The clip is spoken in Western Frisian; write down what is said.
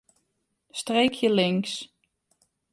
Streekje links.